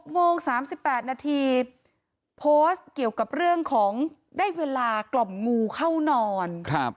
โมง๓๘นาทีโพสต์เกี่ยวกับเรื่องของได้เวลากล่อมงูเข้านอน